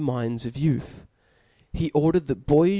minds of youth. He ordered that Soys